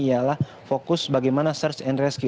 ialah fokus bagaimana search and rescue